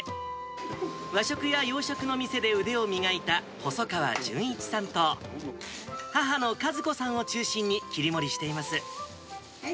和食や洋食の店で腕を磨いた細川純一さんと、母の和子さんを中心に、切り盛りしています。